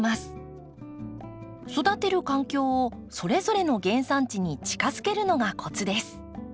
育てる環境をそれぞれの原産地に近づけるのがコツです。